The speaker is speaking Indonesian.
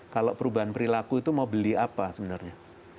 kalau perubahan perilaku itu mau beli apa sebenarnya